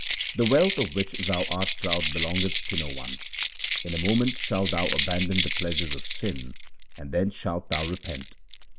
The wealth of which thou art proud belongeth to no one. In a moment shalt thou abandon the pleasures of sin, and then shalt thou repent.